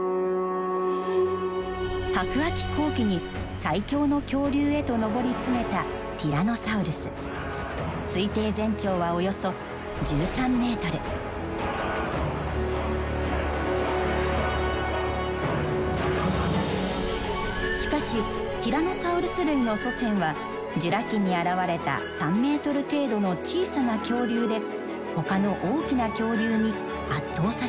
白亜紀後期に最強の恐竜へと上り詰めたしかしティラノサウルス類の祖先はジュラ紀に現れた３ｍ程度の小さな恐竜でほかの大きな恐竜に圧倒されていました。